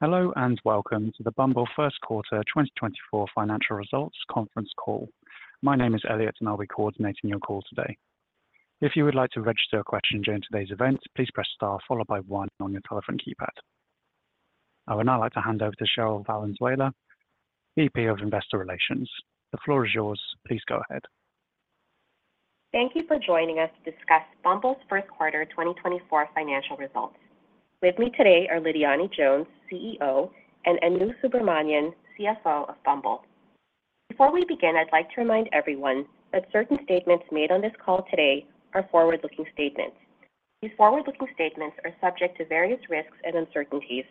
Hello and welcome to the Bumble First Quarter 2024 Financial Results Conference Call. My name is Elliot, and I'll be coordinating your call today. If you would like to register a question during today's event, please press star followed by 1 on your telephone keypad. I would now like to hand over to Cherryl Valenzuela, VP of Investor Relations. The floor is yours. Please go ahead. Thank you for joining us to discuss Bumble's First Quarter 2024 Financial Results. With me today are Lidiane Jones, CEO, and Anu Subramanian, CFO of Bumble. Before we begin, I'd like to remind everyone that certain statements made on this call today are forward-looking statements. These forward-looking statements are subject to various risks and uncertainties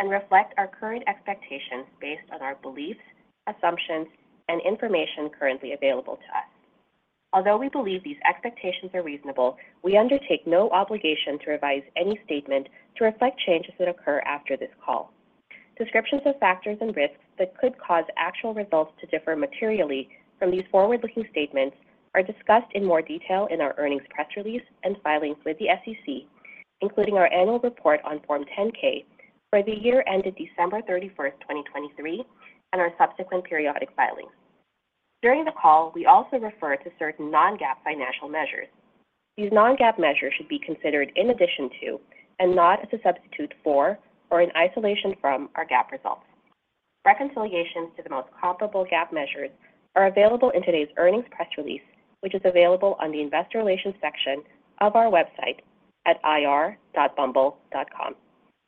and reflect our current expectations based on our beliefs, assumptions, and information currently available to us. Although we believe these expectations are reasonable, we undertake no obligation to revise any statement to reflect changes that occur after this call. Descriptions of factors and risks that could cause actual results to differ materially from these forward-looking statements are discussed in more detail in our earnings press release and filings with the SEC, including our annual report on Form 10-K for the year ended December 31st, 2023, and our subsequent periodic filings. During the call, we also refer to certain non-GAAP financial measures. These non-GAAP measures should be considered in addition to and not as a substitute for or in isolation from our GAAP results. Reconciliations to the most comparable GAAP measures are available in today's earnings press release, which is available on the Investor Relations section of our website at ir.bumble.com.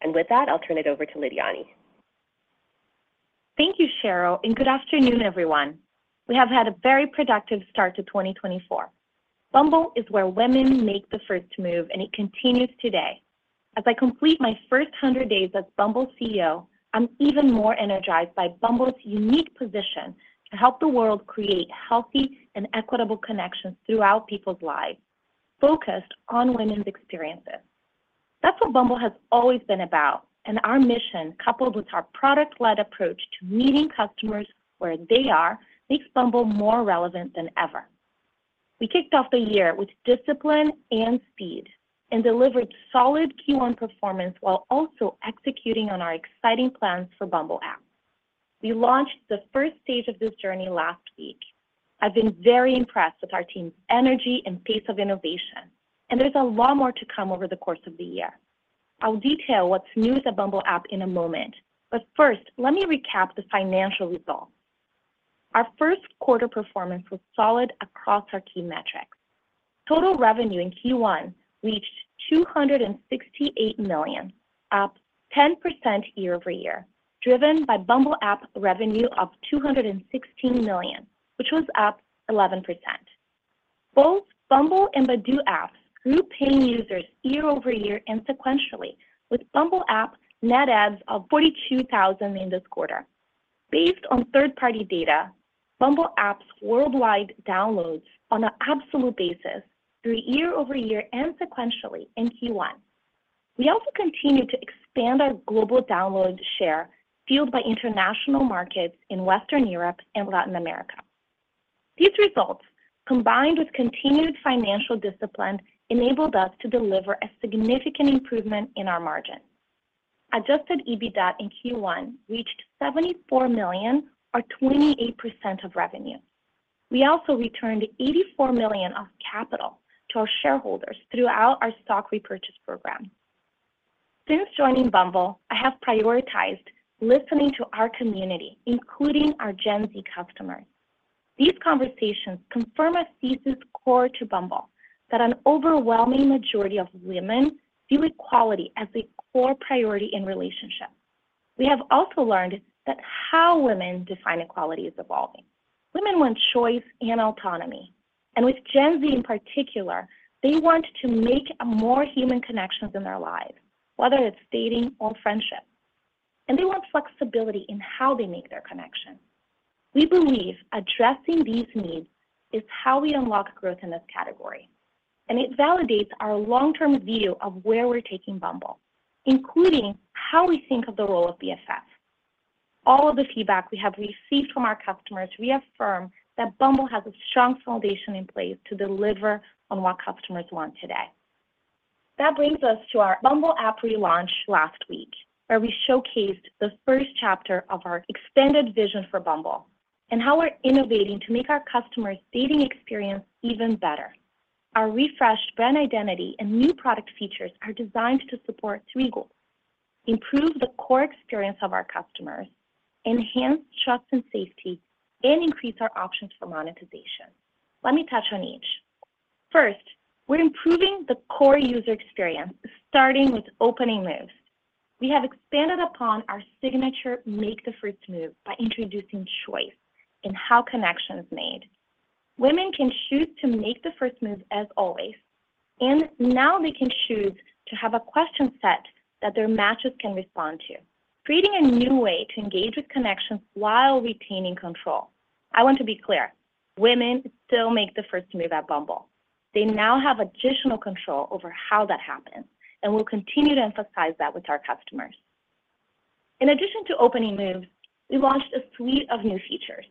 With that, I'll turn it over to Lidiane. Thank you, Cherryl, and good afternoon, everyone. We have had a very productive start to 2024. Bumble is where women make the first move, and it continues today. As I complete my first 100 days as Bumble's CEO, I'm even more energized by Bumble's unique position to help the world create healthy and equitable connections throughout people's lives, focused on women's experiences. That's what Bumble has always been about, and our mission, coupled with our product-led approach to meeting customers where they are, makes Bumble more relevant than ever. We kicked off the year with discipline and speed and delivered solid Q1 performance while also executing on our exciting plans for Bumble App. We launched the first stage of this journey last week. I've been very impressed with our team's energy and pace of innovation, and there's a lot more to come over the course of the year. I'll detail what's new to the Bumble App in a moment, but first, let me recap the financial results. Our first quarter performance was solid across our key metrics. Total revenue in Q1 reached $268 million, up 10% year-over-year, driven by Bumble App revenue of $216 million, which was up 11%. Both Bumble and Badoo Apps grew paying users year-over-year and sequentially, with Bumble App net adds of 42,000 in this quarter. Based on third-party data, Bumble App's worldwide downloads on an absolute basis grew year-over-year and sequentially in Q1. We also continue to expand our global download share fueled by international markets in Western Europe and Latin America. These results, combined with continued financial discipline, enabled us to deliver a significant improvement in our margin. Adjusted EBITDA in Q1 reached $74 million, or 28% of revenue. We also returned $84 million of capital to our shareholders throughout our stock repurchase program. Since joining Bumble, I have prioritized listening to our community, including our Gen Z customers. These conversations confirm a thesis core to Bumble: that an overwhelming majority of women view equality as a core priority in relationships. We have also learned that how women define equality is evolving. Women want choice and autonomy, and with Gen Z in particular, they want to make more human connections in their lives, whether it's dating or friendships. And they want flexibility in how they make their connection. We believe addressing these needs is how we unlock growth in this category, and it validates our long-term view of where we're taking Bumble, including how we think of the role of BFF. All of the feedback we have received from our customers reaffirms that Bumble has a strong foundation in place to deliver on what customers want today. That brings us to our Bumble App relaunch last week, where we showcased the first chapter of our expanded vision for Bumble and how we're innovating to make our customers' dating experience even better. Our refreshed brand identity and new product features are designed to support three goals: improve the core experience of our customers, enhance trust and safety, and increase our options for monetization. Let me touch on each. First, we're improving the core user experience, starting with Opening Moves. We have expanded upon our signature Make the First Move by introducing choice in how connection is made. Women can choose to make the first move, as always, and now they can choose to have a question set that their matches can respond to, creating a new way to engage with connections while retaining control. I want to be clear: women still make the first move at Bumble. They now have additional control over how that happens, and we'll continue to emphasize that with our customers. In addition to Opening Moves, we launched a suite of new features: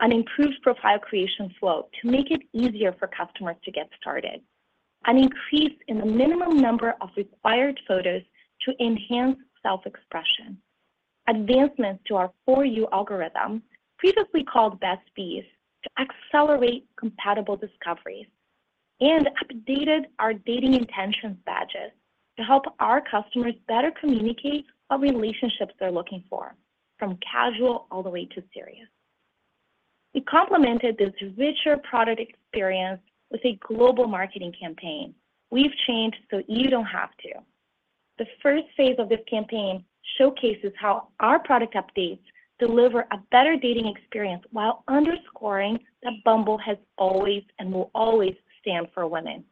an improved profile creation flow to make it easier for customers to get started, an increase in the minimum number of required photos to enhance self-expression, advancements to our For You algorithm, previously called Best Bees, to accelerate compatible discoveries, and updated our Dating Intentions badges to help our customers better communicate what relationships they're looking for, from casual all the way to serious. We complemented this richer product experience with a global marketing campaign, "We've Changed So You Don't Have To." The first phase of this campaign showcases how our product updates deliver a better dating experience while underscoring that Bumble has always and will always stand for women.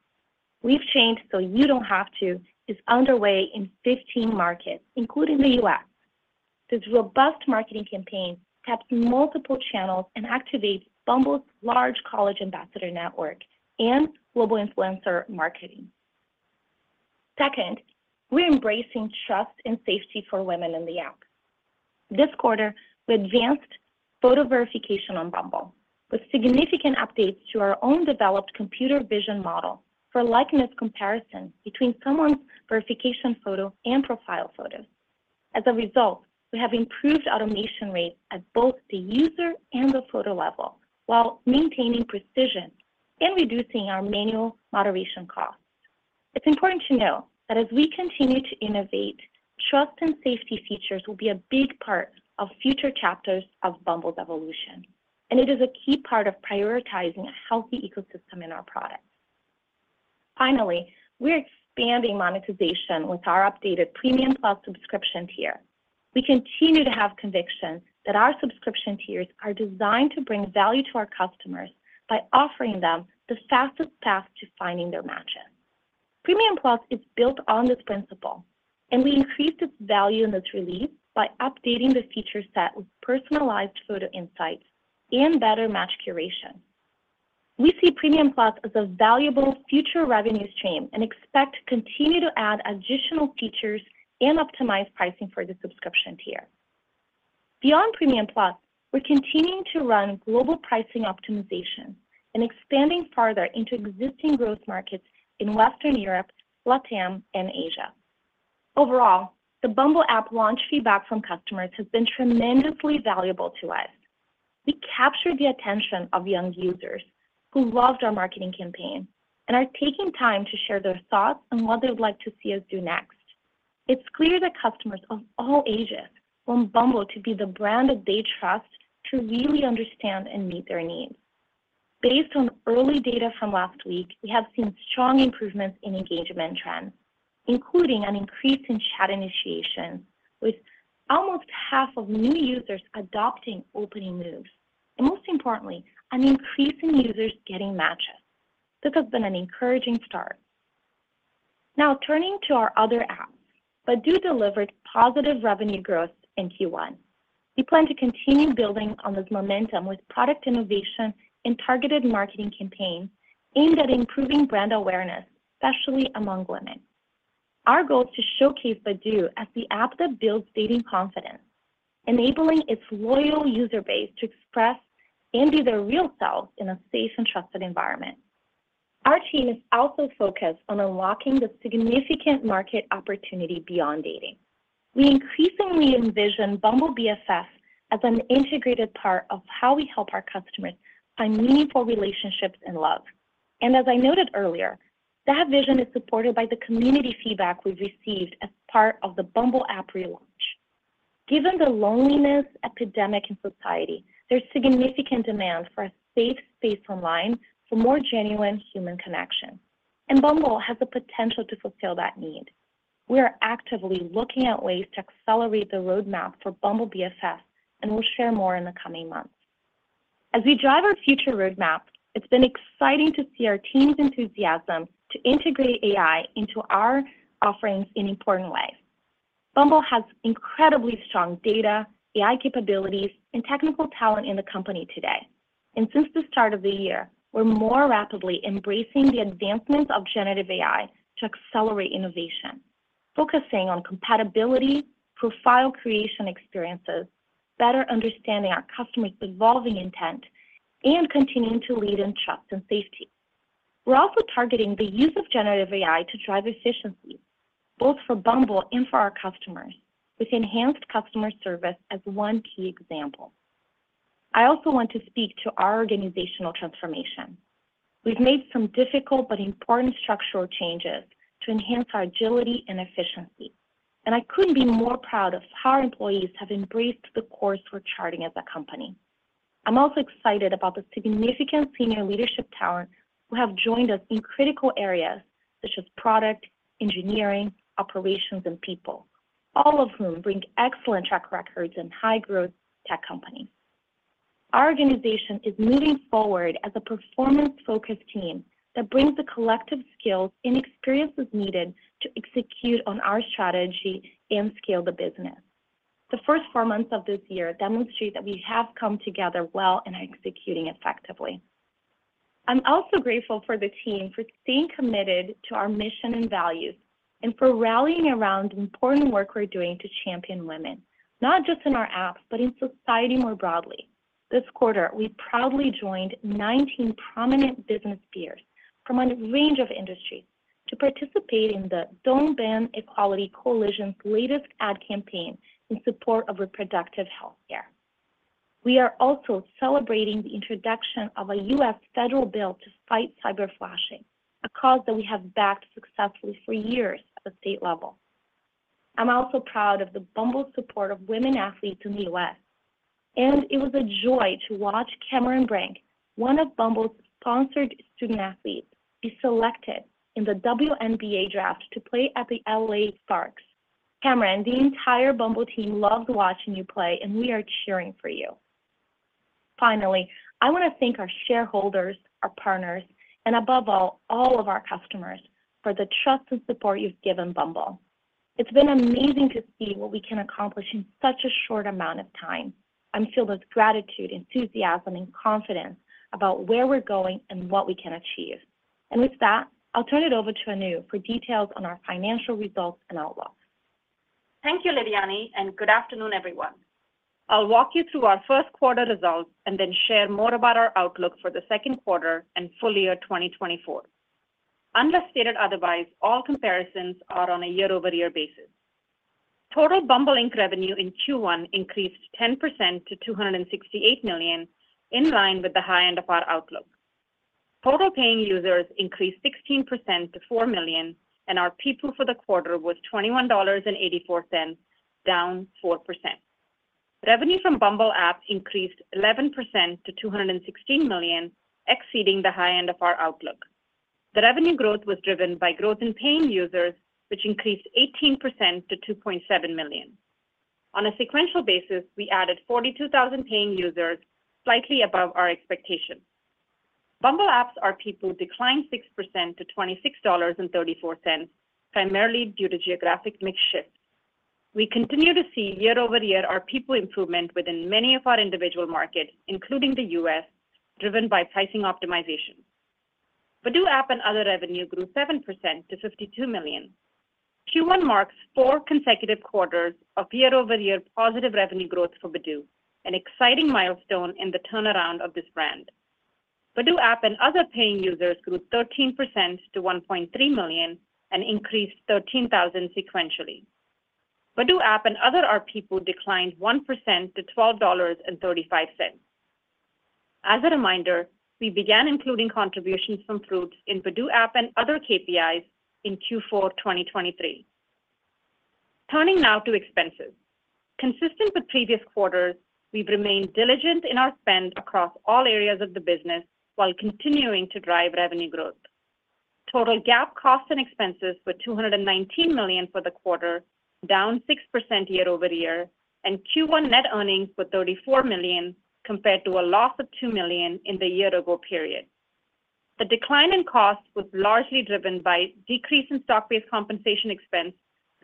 "We've Changed So You Don't Have To" is underway in 15 markets, including the U.S. This robust marketing campaign taps multiple channels and activates Bumble's large college ambassador network and global influencer marketing. Second, we're embracing trust and safety for women in the app. This quarter, we advanced photo verification on Bumble, with significant updates to our own developed computer vision model for likeness comparison between someone's verification photo and profile photos. As a result, we have improved automation rates at both the user and the photo level while maintaining precision and reducing our manual moderation costs. It's important to know that as we continue to innovate, trust and safety features will be a big part of future chapters of Bumble's evolution, and it is a key part of prioritizing a healthy ecosystem in our products. Finally, we're expanding monetization with our updated Premium Plus subscription tier. We continue to have conviction that our subscription tiers are designed to bring value to our customers by offering them the fastest path to finding their matches. Premium Plus is built on this principle, and we increased its value in this release by updating the feature set with personalized photo insights and better match curation. We see Premium Plus as a valuable future revenue stream and expect to continue to add additional features and optimize pricing for the subscription tier. Beyond Premium Plus, we're continuing to run global pricing optimization and expanding farther into existing growth markets in Western Europe, LATAM, and Asia. Overall, the Bumble App launch feedback from customers has been tremendously valuable to us. We captured the attention of young users who loved our marketing campaign and are taking time to share their thoughts on what they would like to see us do next. It's clear that customers of all ages want Bumble to be the brand that they trust to really understand and meet their needs. Based on early data from last week, we have seen strong improvements in engagement trends, including an increase in chat initiation, with almost half of new users adopting Opening Moves, and most importantly, an increase in users getting matches. This has been an encouraging start. Now, turning to our other apps, Badoo delivered positive revenue growth in Q1. We plan to continue building on this momentum with product innovation and targeted marketing campaigns aimed at improving brand awareness, especially among women. Our goal is to showcase Badoo as the app that builds dating confidence, enabling its loyal user base to express and be their real self in a safe and trusted environment. Our team is also focused on unlocking the significant market opportunity beyond dating. We increasingly envision Bumble BFF as an integrated part of how we help our customers find meaningful relationships and love. As I noted earlier, that vision is supported by the community feedback we've received as part of the Bumble App relaunch. Given the loneliness epidemic in society, there's significant demand for a safe space online for more genuine human connection, and Bumble has the potential to fulfill that need. We are actively looking at ways to accelerate the roadmap for Bumble BFF, and we'll share more in the coming months. As we drive our future roadmap, it's been exciting to see our team's enthusiasm to integrate AI into our offerings in important ways. Bumble has incredibly strong data, AI capabilities, and technical talent in the company today. Since the start of the year, we're more rapidly embracing the advancements of generative AI to accelerate innovation, focusing on compatibility, profile creation experiences, better understanding our customers' evolving intent, and continuing to lead in trust and safety. We're also targeting the use of generative AI to drive efficiency, both for Bumble and for our customers, with enhanced customer service as one key example. I also want to speak to our organizational transformation. We've made some difficult but important structural changes to enhance our agility and efficiency, and I couldn't be more proud of how our employees have embraced the course we're charting as a company. I'm also excited about the significant senior leadership talent who have joined us in critical areas such as product, engineering, operations, and people, all of whom bring excellent track records in high-growth tech companies. Our organization is moving forward as a performance-focused team that brings the collective skills and experiences needed to execute on our strategy and scale the business. The first four months of this year demonstrate that we have come together well and are executing effectively. I'm also grateful for the team for staying committed to our mission and values and for rallying around important work we're doing to champion women, not just in our apps but in society more broadly. This quarter, we proudly joined 19 prominent business peers from a range of industries to participate in the Don't Ban Equality Coalition's latest ad campaign in support of reproductive healthcare. We are also celebrating the introduction of a U.S. federal bill to fight cyberflashing, a cause that we have backed successfully for years at the state level. I'm also proud of the Bumble support of women athletes in the U.S., and it was a joy to watch Cameron Brink, one of Bumble's sponsored student athletes, be selected in the WNBA draft to play at the LA Sparks. Cameron, the entire Bumble team loved watching you play, and we are cheering for you. Finally, I want to thank our shareholders, our partners, and above all, all of our customers for the trust and support you've given Bumble. It's been amazing to see what we can accomplish in such a short amount of time. I'm filled with gratitude, enthusiasm, and confidence about where we're going and what we can achieve. With that, I'll turn it over to Anu for details on our financial results and outlook. Thank you, Lidiane, and good afternoon, everyone. I'll walk you through our first quarter results and then share more about our outlook for the second quarter and full year 2024. Unless otherwise stated, all comparisons are on a year-over-year basis. Total Bumble Inc. revenue in Q1 increased 10% to $268 million, in line with the high end of our outlook. Total paying users increased 16% to 4 million, and our ARPPU for the quarter was $21.84, down 4%. Revenue from Bumble App increased 11% to $216 million, exceeding the high end of our outlook. The revenue growth was driven by growth in paying users, which increased 18% to 2.7 million. On a sequential basis, we added 42,000 paying users, slightly above our expectation. Bumble App's ARPPU declined 6% to $26.34, primarily due to geographic mix shift. We continue to see year-over-year ARPPU improvement within many of our individual markets, including the U.S., driven by pricing optimization. Badoo App and Other revenue grew 7% to $52 million. Q1 marks four consecutive quarters of year-over-year positive revenue growth for Badoo, an exciting milestone in the turnaround of this brand. Badoo App and Other paying users grew 13% to 1.3 million and increased 13,000 sequentially. Badoo App and Other ARPPU declined 1% to $12.35. As a reminder, we began including contributions from Fruitz in Badoo App and Other KPIs in Q4 2023. Turning now to expenses. Consistent with previous quarters, we've remained diligent in our spend across all areas of the business while continuing to drive revenue growth. Total GAAP costs and expenses were $219 million for the quarter, down 6% year-over-year, and Q1 net earnings were $34 million, compared to a loss of $2 million in the year-ago period. The decline in costs was largely driven by decrease in stock-based compensation expense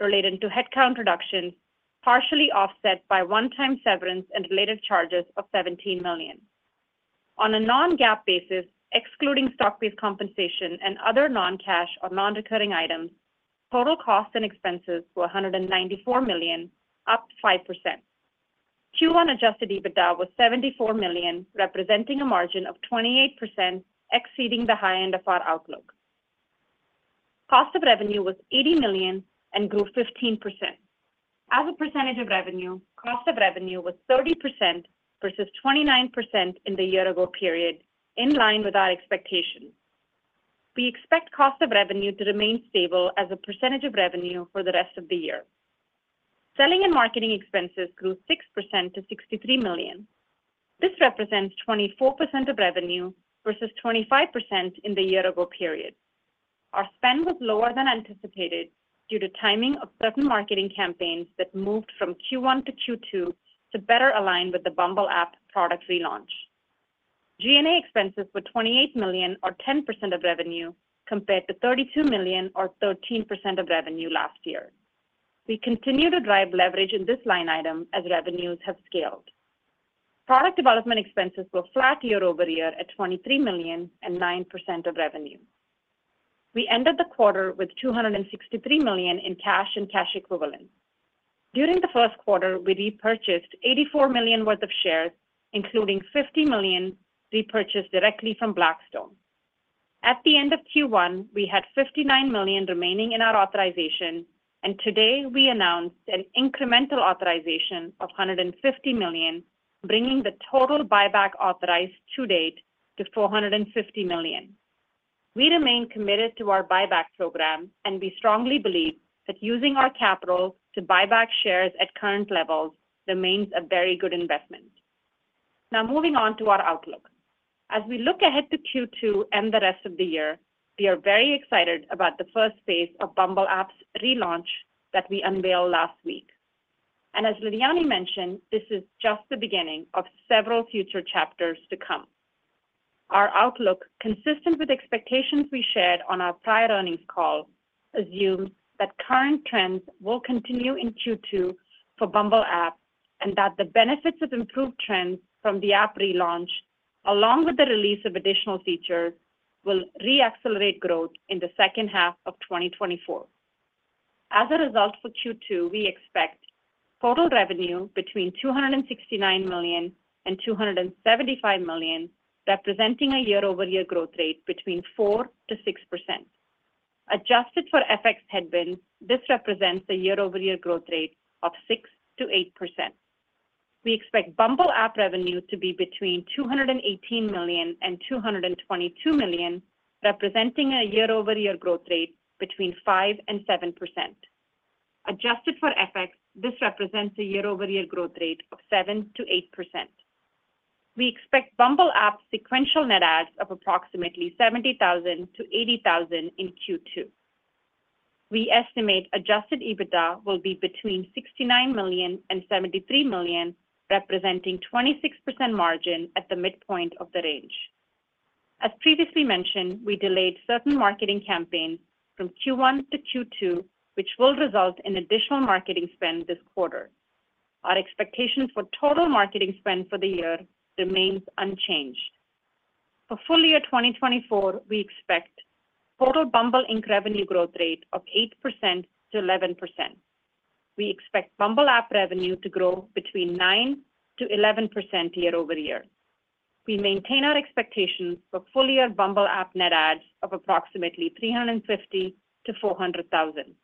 related to headcount reductions, partially offset by one-time severance and related charges of $17 million. On a non-GAAP basis, excluding stock-based compensation and other non-cash or non-recurring items, total costs and expenses were $194 million, up 5%. Q1 Adjusted EBITDA was $74 million, representing a margin of 28%, exceeding the high end of our outlook. Cost of revenue was $80 million and grew 15%. As a percentage of revenue, cost of revenue was 30% versus 29% in the year-ago period, in line with our expectations. We expect cost of revenue to remain stable as a percentage of revenue for the rest of the year. Selling and marketing expenses grew 6% to $63 million. This represents 24% of revenue versus 25% in the year-ago period. Our spend was lower than anticipated due to timing of certain marketing campaigns that moved from Q1 to Q2 to better align with the Bumble App product relaunch. G&A expenses were $28 million, or 10% of revenue, compared to $32 million, or 13% of revenue last year. We continue to drive leverage in this line item as revenues have scaled. Product development expenses were flat year-over-year at $23 million and 9% of revenue. We ended the quarter with $263 million in cash and cash equivalent. During the first quarter, we repurchased $84 million worth of shares, including $50 million repurchased directly from Blackstone. At the end of Q1, we had $59 million remaining in our authorization, and today we announced an incremental authorization of $150 million, bringing the total buyback authorized to date to $450 million. We remain committed to our buyback program, and we strongly believe that using our capital to buyback shares at current levels remains a very good investment. Now, moving on to our outlook. As we look ahead to Q2 and the rest of the year, we are very excited about the first phase of Bumble App's relaunch that we unveiled last week. As Lidiane mentioned, this is just the beginning of several future chapters to come. Our outlook, consistent with expectations we shared on our prior earnings call, assumes that current trends will continue in Q2 for Bumble App and that the benefits of improved trends from the app relaunch, along with the release of additional features, will reaccelerate growth in the second half of 2024. As a result for Q2, we expect total revenue between $269 million and $275 million, representing a year-over-year growth rate between 4%-6%. Adjusted for FX headwinds, this represents a year-over-year growth rate of 6%-8%. We expect Bumble App revenue to be between $218 million and $222 million, representing a year-over-year growth rate between 5% and 7%. Adjusted for FX, this represents a year-over-year growth rate of 7%-8%. We expect Bumble App sequential net adds of approximately 70,000-80,000 in Q2. We estimate Adjusted EBITDA will be between $69 million and $73 million, representing a 26% margin at the midpoint of the range. As previously mentioned, we delayed certain marketing campaigns from Q1 to Q2, which will result in additional marketing spend this quarter. Our expectation for total marketing spend for the year remains unchanged. For full year 2024, we expect total Bumble Inc. revenue growth rate of 8%-11%. We expect Bumble App revenue to grow between 9%-11% year-over-year. We maintain our expectations for full year Bumble App net adds of approximately $350,000-$400,000.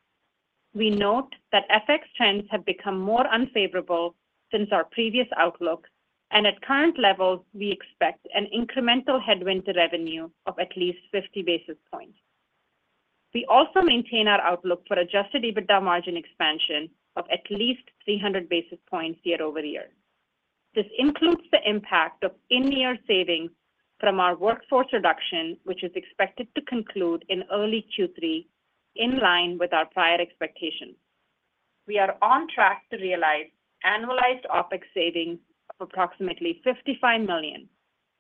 We note that FX trends have become more unfavorable since our previous outlook, and at current levels, we expect an incremental headwind to revenue of at least 50 basis points. We also maintain our outlook for Adjusted EBITDA margin expansion of at least 300 basis points year-over-year. This includes the impact of in-year savings from our workforce reduction, which is expected to conclude in early Q3, in line with our prior expectations. We are on track to realize annualized OpEx savings of approximately $55 million,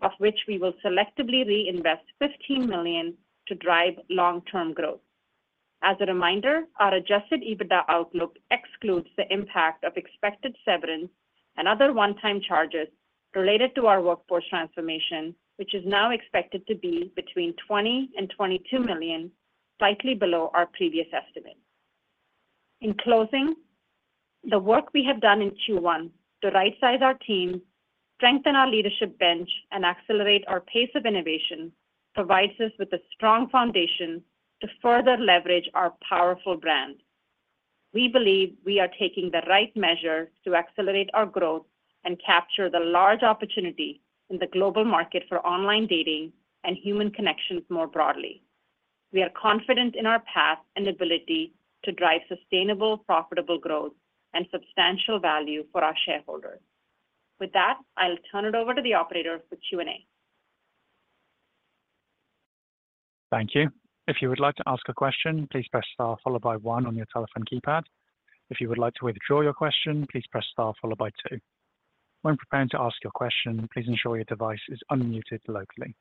of which we will selectively reinvest $15 million to drive long-term growth. As a reminder, our adjusted EBITDA outlook excludes the impact of expected severance and other one-time charges related to our workforce transformation, which is now expected to be between $20 million and $22 million, slightly below our previous estimate. In closing, the work we have done in Q1 to right-size our team, strengthen our leadership bench, and accelerate our pace of innovation provides us with a strong foundation to further leverage our powerful brand. We believe we are taking the right measures to accelerate our growth and capture the large opportunity in the global market for online dating and human connections more broadly. We are confident in our path and ability to drive sustainable, profitable growth and substantial value for our shareholders. With that, I'll turn it over to the operator for Q&A. Thank you. If you would like to ask a question, please press Star followed by 1 on your telephone keypad. If you would like to withdraw your question, please press Star followed by 2. When preparing to ask your question, please ensure your device is unmuted locally.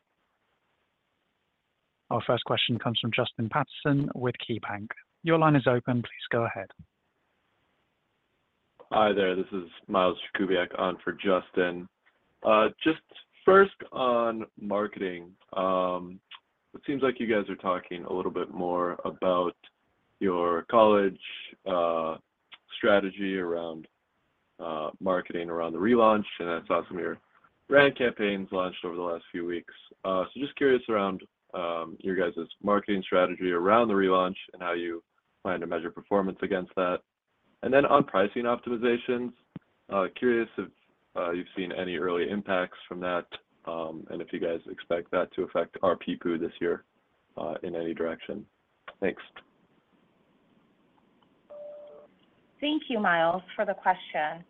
Our first question comes from Justin Patterson with KeyBanc. Your line is open. Please go ahead. Hi there. This is Miles Jakubiak on for Justin. Just first on marketing, it seems like you guys are talking a little bit more about your college strategy around marketing around the relaunch, and that's awesome. Your brand campaigns launched over the last few weeks. So just curious around your guys' marketing strategy around the relaunch and how you plan to measure performance against that. And then on pricing optimizations, curious if you've seen any early impacts from that and if you guys expect that to affect our ARPPU this year in any direction. Thanks. Thank you, Miles, for the question.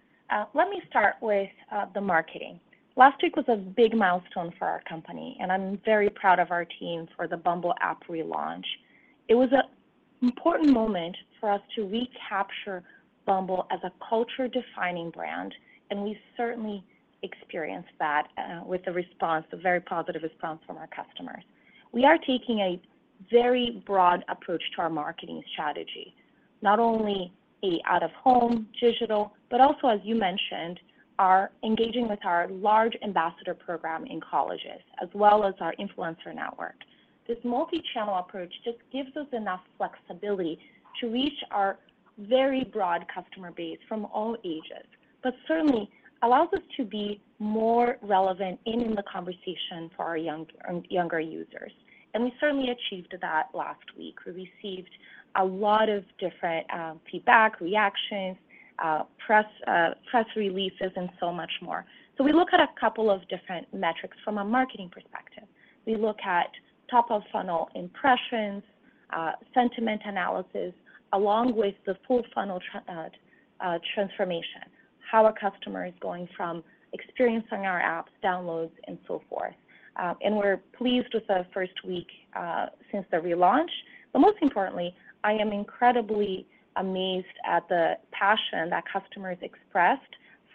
Let me start with the marketing. Last week was a big milestone for our company, and I'm very proud of our team for the Bumble App relaunch. It was an important moment for us to recapture Bumble as a culture-defining brand, and we certainly experienced that with a very positive response from our customers. We are taking a very broad approach to our marketing strategy, not only out-of-home digital, but also, as you mentioned, engaging with our large ambassador program in colleges as well as our influencer network. This multi-channel approach just gives us enough flexibility to reach our very broad customer base from all ages, but certainly allows us to be more relevant in the conversation for our younger users. We certainly achieved that last week. We received a lot of different feedback, reactions, press releases, and so much more. We look at a couple of different metrics from a marketing perspective. We look at top-of-funnel impressions, sentiment analysis, along with the full-funnel transformation, how our customer is going from experiencing our apps, downloads, and so forth. We're pleased with the first week since the relaunch. Most importantly, I am incredibly amazed at the passion that customers expressed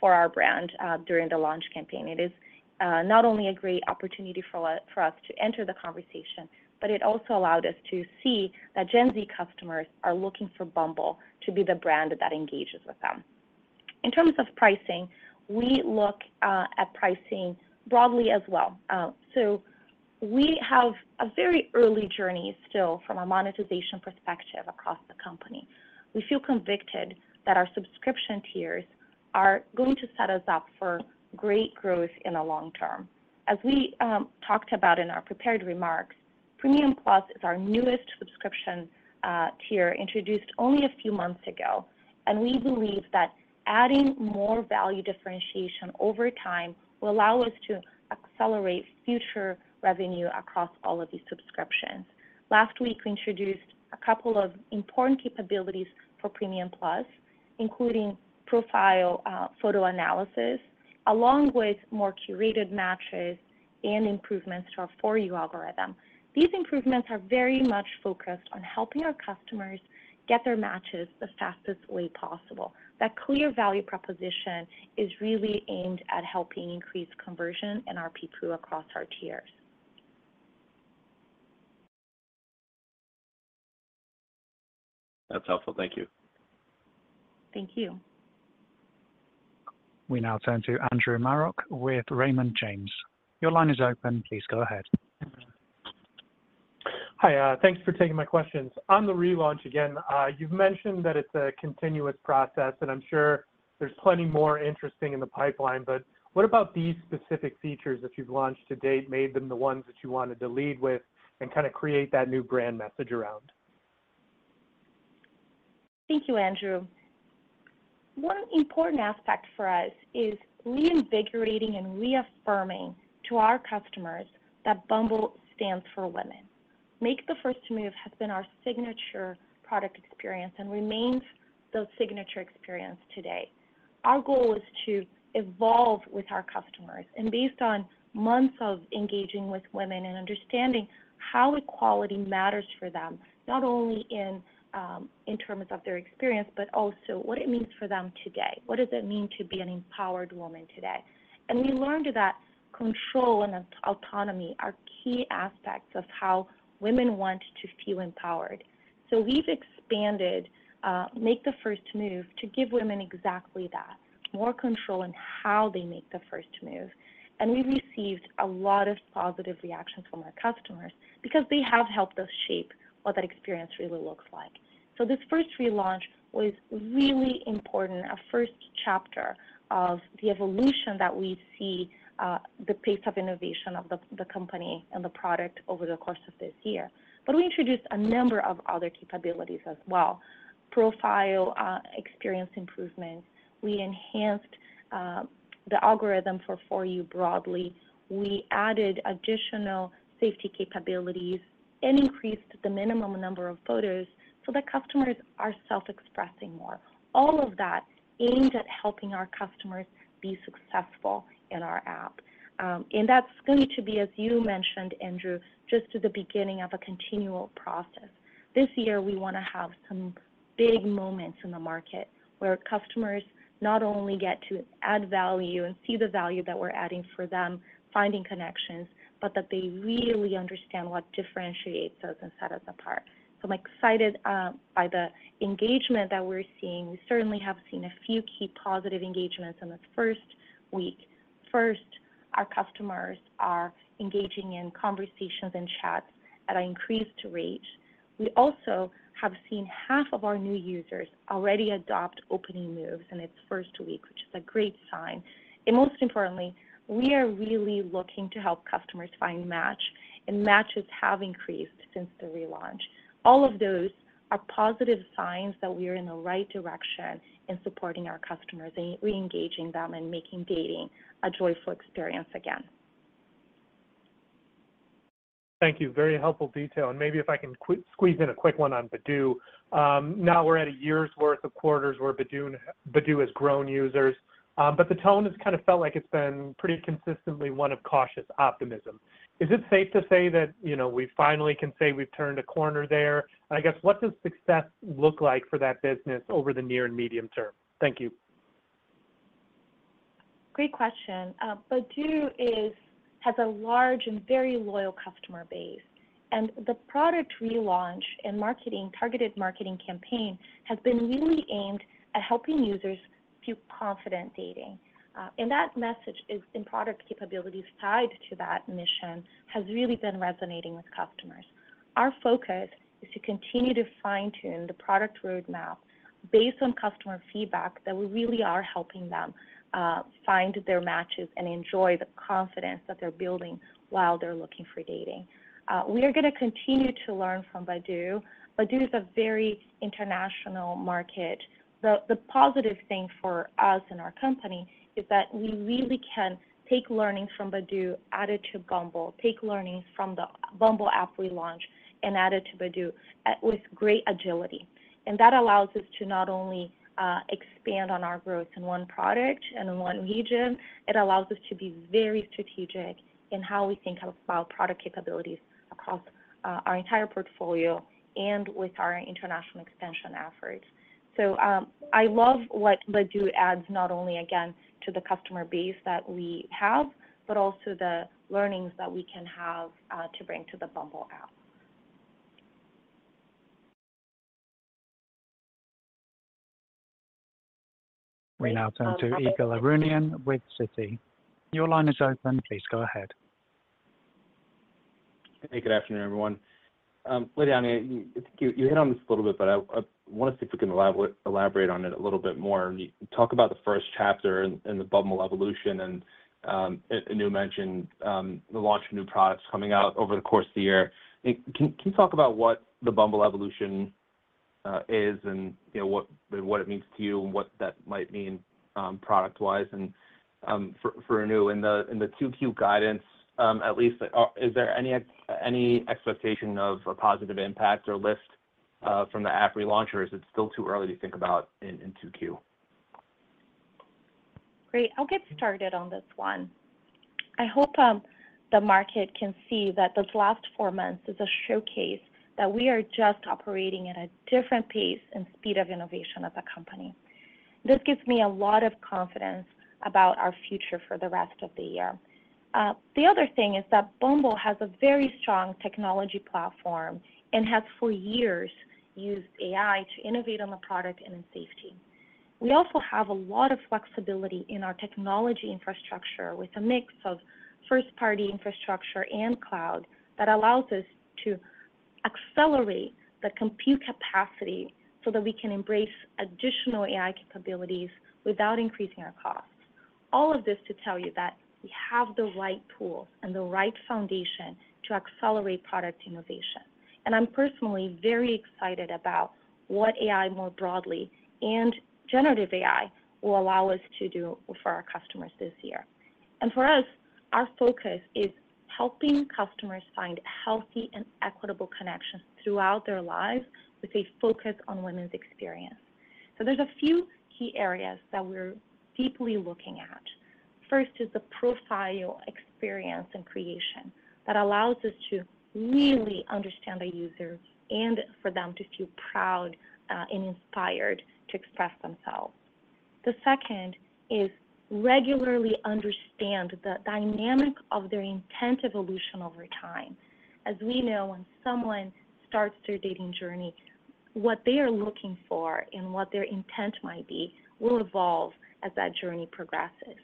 for our brand during the launch campaign. It is not only a great opportunity for us to enter the conversation, but it also allowed us to see that Gen Z customers are looking for Bumble to be the brand that engages with them. In terms of pricing, we look at pricing broadly as well. We have a very early journey still from a monetization perspective across the company. We feel convicted that our subscription tiers are going to set us up for great growth in the long term. As we talked about in our prepared remarks, Premium Plus is our newest subscription tier introduced only a few months ago, and we believe that adding more value differentiation over time will allow us to accelerate future revenue across all of these subscriptions. Last week, we introduced a couple of important capabilities for Premium Plus, including profile photo analysis, along with more curated matches and improvements to our For You algorithm. These improvements are very much focused on helping our customers get their matches the fastest way possible. That clear value proposition is really aimed at helping increase conversion in our Premium Plus across our tiers. That's helpful. Thank you. Thank you. We now turn to Andrew Marok with Raymond James. Your line is open. Please go ahead. Hi. Thanks for taking my questions. On the relaunch again, you've mentioned that it's a continuous process, and I'm sure there's plenty more interesting in the pipeline. But what about these specific features that you've launched to date made them the ones that you wanted to lead with and kind of create that new brand message around? Thank you, Andrew. One important aspect for us is reinvigorating and reaffirming to our customers that Bumble stands for women. Make the First Move has been our signature product experience and remains the signature experience today. Our goal is to evolve with our customers. Based on months of engaging with women and understanding how equality matters for them, not only in terms of their experience, but also what it means for them today, what does it mean to be an empowered woman today. We learned that control and autonomy are key aspects of how women want to feel empowered. We've expanded Make the First Move to give women exactly that, more control in how they make the first move. We received a lot of positive reactions from our customers because they have helped us shape what that experience really looks like. This first relaunch was really important, a first chapter of the evolution that we see the pace of innovation of the company and the product over the course of this year. We introduced a number of other capabilities as well. Profile experience improvements. We enhanced the algorithm for For You broadly. We added additional safety capabilities and increased the minimum number of photos so that customers are self-expressing more. All of that aimed at helping our customers be successful in our app. That's going to be, as you mentioned, Andrew, just at the beginning of a continual process. This year, we want to have some big moments in the market where customers not only get to add value and see the value that we're adding for them, finding connections, but that they really understand what differentiates us and sets us apart. So I'm excited by the engagement that we're seeing. We certainly have seen a few key positive engagements in this first week. First, our customers are engaging in conversations and chats at an increased rate. We also have seen half of our new users already adopt Opening Moves in its first week, which is a great sign. And most importantly, we are really looking to help customers find matches, and matches have increased since the relaunch. All of those are positive signs that we are in the right direction in supporting our customers and reengaging them and making dating a joyful experience again. Thank you. Very helpful detail. And maybe if I can squeeze in a quick one on Badoo. Now we're at a year's worth of quarters where Badoo has grown users, but the tone has kind of felt like it's been pretty consistently one of cautious optimism. Is it safe to say that we finally can say we've turned a corner there? And I guess, what does success look like for that business over the near and medium term? Thank you. Great question. Badoo has a large and very loyal customer base, and the product relaunch and targeted marketing campaign has been really aimed at helping users feel confident dating. That message in product capabilities tied to that mission has really been resonating with customers. Our focus is to continue to fine-tune the product roadmap based on customer feedback that we really are helping them find their matches and enjoy the confidence that they're building while they're looking for dating. We are going to continue to learn from Badoo. Badoo is a very international market. The positive thing for us and our company is that we really can take learnings from Badoo added to Bumble, take learnings from the Bumble App relaunch and add it to Badoo with great agility. That allows us to not only expand on our growth in one product and in one region. It allows us to be very strategic in how we think about product capabilities across our entire portfolio and with our international expansion efforts. I love what Badoo adds, not only, again, to the customer base that we have, but also the learnings that we can have to bring to the Bumble App. We now turn to Ygal Arounian with Citi. Your line is open. Please go ahead. Hey, good afternoon, everyone. Lidiane, I think you hit on this a little bit, but I want to see if we can elaborate on it a little bit more. Talk about the first chapter in the Bumble evolution, and Anu mentioned the launch of new products coming out over the course of the year. Can you talk about what the Bumble evolution is and what it means to you and what that might mean product-wise for Anu? In the 2Q guidance, at least, is there any expectation of a positive impact or lift from the app relaunch, or is it still too early to think about in 2Q? Great. I'll get started on this one. I hope the market can see that this last four months is a showcase that we are just operating at a different pace and speed of innovation as a company. This gives me a lot of confidence about our future for the rest of the year. The other thing is that Bumble has a very strong technology platform and has for years used AI to innovate on the product and in safety. We also have a lot of flexibility in our technology infrastructure with a mix of first-party infrastructure and cloud that allows us to accelerate the compute capacity so that we can embrace additional AI capabilities without increasing our costs. All of this to tell you that we have the right tools and the right foundation to accelerate product innovation. I'm personally very excited about what AI more broadly and generative AI will allow us to do for our customers this year. For us, our focus is helping customers find healthy and equitable connections throughout their lives with a focus on women's experience. There's a few key areas that we're deeply looking at. First is the profile experience and creation that allows us to really understand the user and for them to feel proud and inspired to express themselves. The second is regularly understand the dynamic of their intent evolution over time. As we know, when someone starts their dating journey, what they are looking for and what their intent might be will evolve as that journey progresses.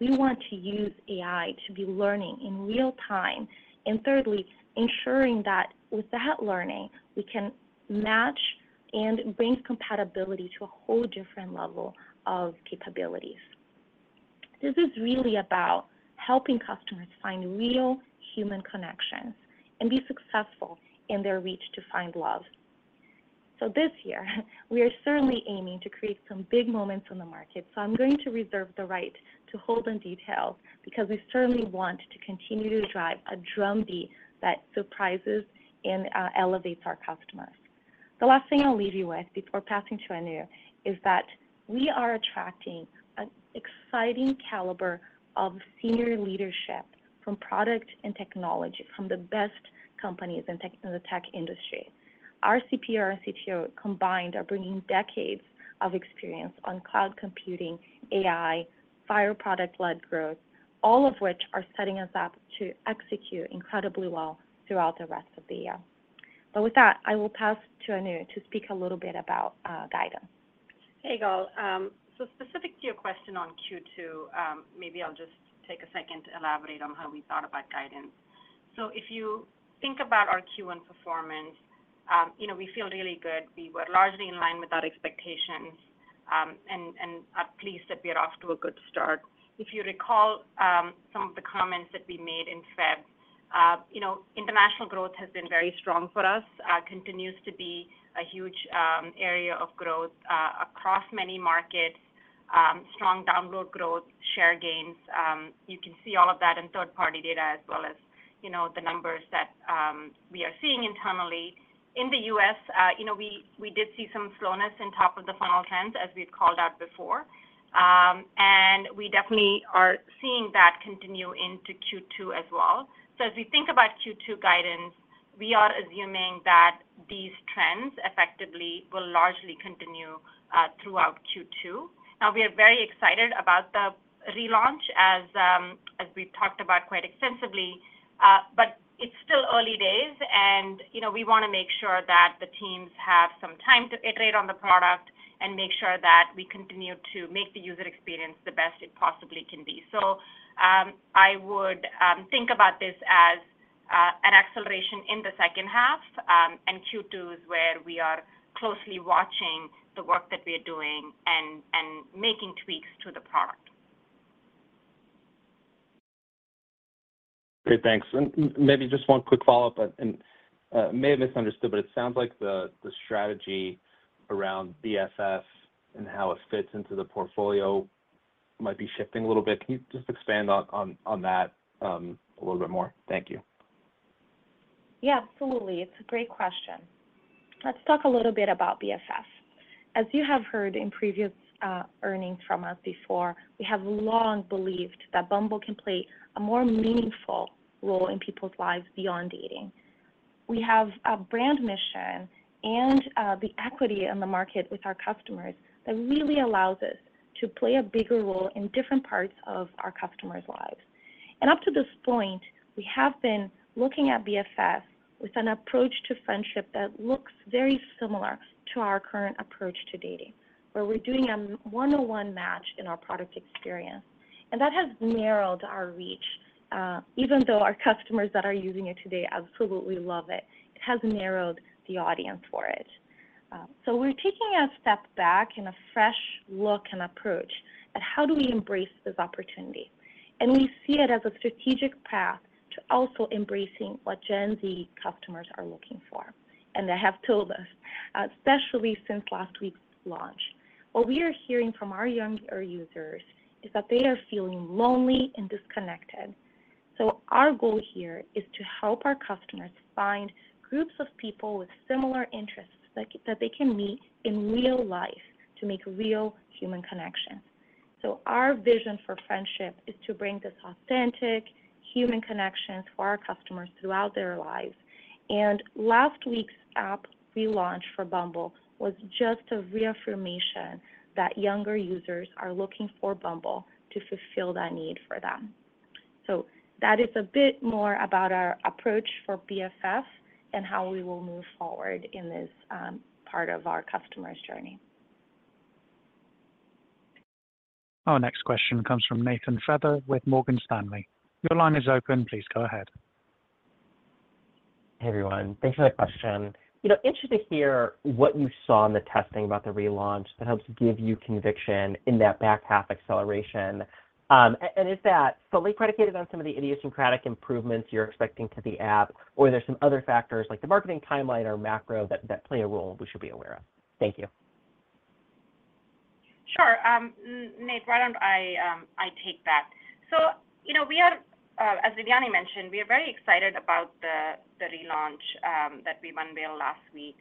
We want to use AI to be learning in real time. Thirdly, ensuring that with that learning, we can match and bring compatibility to a whole different level of capabilities. This is really about helping customers find real human connections and be successful in their reach to find love. This year, we are certainly aiming to create some big moments in the market. I'm going to reserve the right to hold on details because we certainly want to continue to drive a drumbeat that surprises and elevates our customers. The last thing I'll leave you with before passing to Anu is that we are attracting an exciting caliber of senior leadership from product and technology, from the best companies in the tech industry. Our CPO and CTO combined are bringing decades of experience on cloud computing, AI, drive product-led growth, all of which are setting us up to execute incredibly well throughout the rest of the year. With that, I will pass to Anu to speak a little bit about guidance. Hey, Ygal. So specific to your question on Q2, maybe I'll just take a second to elaborate on how we thought about guidance. So if you think about our Q1 performance, we feel really good. We were largely in line with our expectations, and I'm pleased that we are off to a good start. If you recall some of the comments that we made in February, international growth has been very strong for us, continues to be a huge area of growth across many markets, strong download growth, share gains. You can see all of that in third-party data as well as the numbers that we are seeing internally. In the U.S., we did see some slowness in top of the funnel trends, as we've called out before. And we definitely are seeing that continue into Q2 as well. So as we think about Q2 guidance, we are assuming that these trends effectively will largely continue throughout Q2. Now, we are very excited about the relaunch, as we've talked about quite extensively, but it's still early days, and we want to make sure that the teams have some time to iterate on the product and make sure that we continue to make the user experience the best it possibly can be. So I would think about this as an acceleration in the second half, and Q2 is where we are closely watching the work that we are doing and making tweaks to the product. Great. Thanks. And maybe just one quick follow-up. And I may have misunderstood, but it sounds like the strategy around BFF and how it fits into the portfolio might be shifting a little bit. Can you just expand on that a little bit more? Thank you. Yeah, absolutely. It's a great question. Let's talk a little bit about BFF. As you have heard in previous earnings from us before, we have long believed that Bumble can play a more meaningful role in people's lives beyond dating. We have a brand mission and the equity in the market with our customers that really allows us to play a bigger role in different parts of our customers' lives. And up to this point, we have been looking at BFF with an approach to friendship that looks very similar to our current approach to dating, where we're doing a one-on-one match in our product experience. And that has narrowed our reach, even though our customers that are using it today absolutely love it. It has narrowed the audience for it. So we're taking a step back and a fresh look and approach at how do we embrace this opportunity? And we see it as a strategic path to also embracing what Gen Z customers are looking for, and they have told us, especially since last week's launch. What we are hearing from our younger users is that they are feeling lonely and disconnected. So our goal here is to help our customers find groups of people with similar interests that they can meet in real life to make real human connections. So our vision for friendship is to bring this authentic human connection for our customers throughout their lives. And last week's app relaunch for Bumble was just a reaffirmation that younger users are looking for Bumble to fulfill that need for them. So that is a bit more about our approach for BFF and how we will move forward in this part of our customers' journey. Our next question comes from Nathan Feather with Morgan Stanley. Your line is open. Please go ahead. Hey, everyone. Thanks for the question. Interested to hear what you saw in the testing about the relaunch that helps give you conviction in that back half acceleration. Is that fully predicated on some of the idiosyncratic improvements you're expecting to the app, or are there some other factors like the marketing timeline or macro that play a role we should be aware of? Thank you. Sure. Nate, why don't I take that? As Lidiane mentioned, we are very excited about the relaunch that we unveiled last week.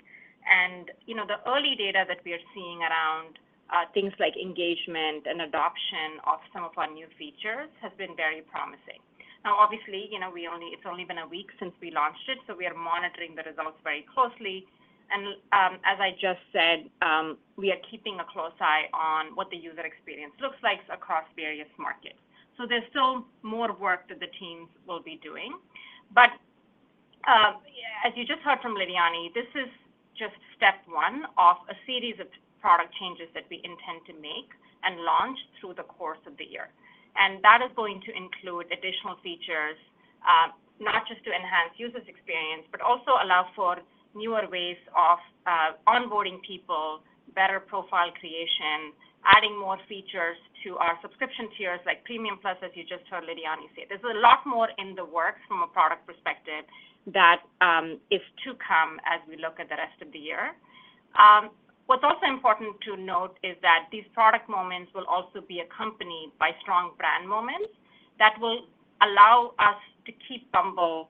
The early data that we are seeing around things like engagement and adoption of some of our new features has been very promising. Now, obviously, it's only been a week since we launched it, so we are monitoring the results very closely. As I just said, we are keeping a close eye on what the user experience looks like across various markets. There's still more work that the teams will be doing. As you just heard from Lidiane, this is just step one of a series of product changes that we intend to make and launch through the course of the year. And that is going to include additional features, not just to enhance users' experience, but also allow for newer ways of onboarding people, better profile creation, adding more features to our subscription tiers like Premium Plus, as you just heard Lidiane say. There's a lot more in the works from a product perspective that is to come as we look at the rest of the year. What's also important to note is that these product moments will also be accompanied by strong brand moments that will allow us to keep Bumble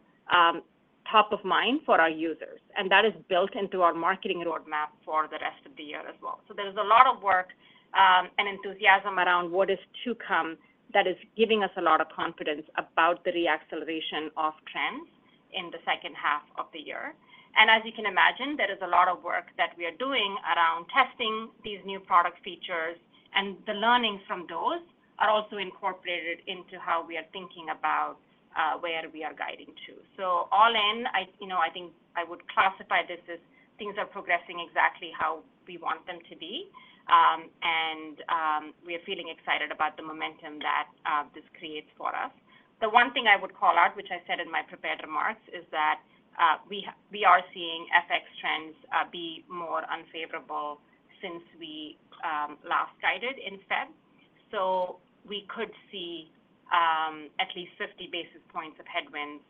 top of mind for our users. And that is built into our marketing roadmap for the rest of the year as well. So there is a lot of work and enthusiasm around what is to come that is giving us a lot of confidence about the reacceleration of trends in the second half of the year. As you can imagine, there is a lot of work that we are doing around testing these new product features, and the learnings from those are also incorporated into how we are thinking about where we are guiding to. So all in, I think I would classify this as things are progressing exactly how we want them to be, and we are feeling excited about the momentum that this creates for us. The one thing I would call out, which I said in my prepared remarks, is that we are seeing FX trends be more unfavorable since we last guided in February. So we could see at least 50 basis points of headwinds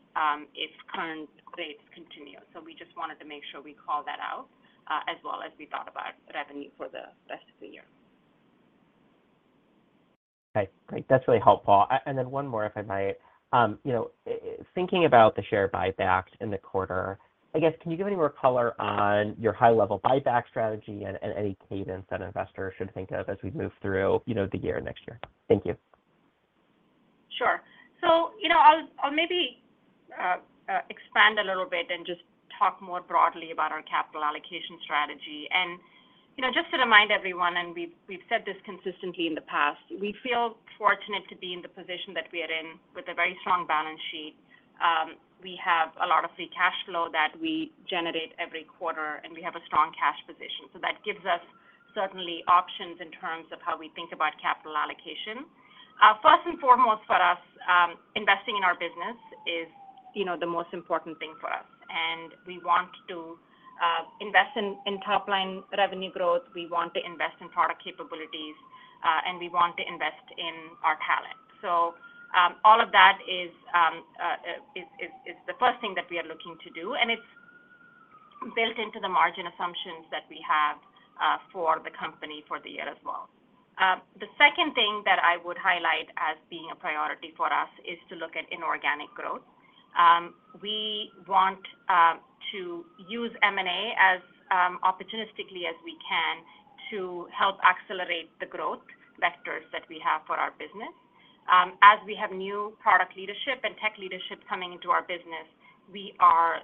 if current rates continue. So we just wanted to make sure we call that out as well as we thought about revenue for the rest of the year. Okay. Great. That's really helpful. And then one more, if I might. Thinking about the share buyback in the quarter, I guess, can you give any more color on your high-level buyback strategy and any cadence that investors should think of as we move through the year next year? Thank you. Sure. So I'll maybe expand a little bit and just talk more broadly about our capital allocation strategy. And just to remind everyone, and we've said this consistently in the past, we feel fortunate to be in the position that we are in with a very strong balance sheet. We have a lot of free cash flow that we generate every quarter, and we have a strong cash position. So that gives us certainly options in terms of how we think about capital allocation. First and foremost for us, investing in our business is the most important thing for us. And we want to invest in top-line revenue growth. We want to invest in product capabilities, and we want to invest in our talent. So all of that is the first thing that we are looking to do, and it's built into the margin assumptions that we have for the company for the year as well. The second thing that I would highlight as being a priority for us is to look at inorganic growth. We want to use M&A as opportunistically as we can to help accelerate the growth vectors that we have for our business. As we have new product leadership and tech leadership coming into our business, we are